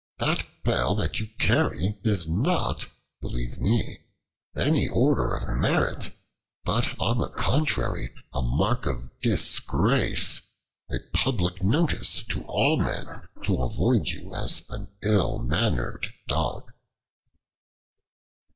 That bell that you carry is not, believe me, any order of merit, but on the contrary a mark of disgrace, a public notice to all men to avoid you as an ill mannered dog."